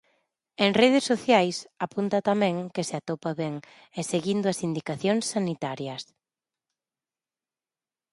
En redes sociais, apunta tamén que se atopa ben e "seguindo as indicacións sanitarias".